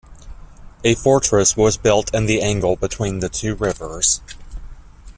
A fortress was built in the angle between the two rivers.